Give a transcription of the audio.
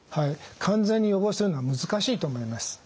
完全に予防するのは難しいと思います。